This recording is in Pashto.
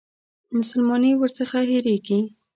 مسلماني ورڅخه هېرېږي.